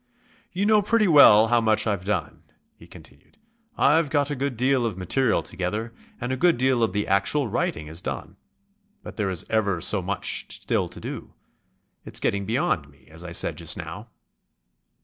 "You know pretty well how much I've done," he continued. "I've got a good deal of material together and a good deal of the actual writing is done. But there is ever so much still to do. It's getting beyond me, as I said just now."